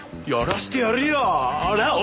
やらしてやるよ！な？